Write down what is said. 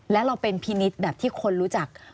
และเราเป็นพินิษฐ์แบบที่คนรู้จัก